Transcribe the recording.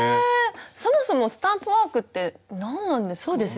そもそもスタンプワークって何なんですか？